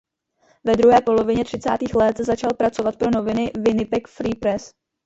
Ve druhé polovině třicátých let začal pracovat pro noviny "Winnipeg Free Press".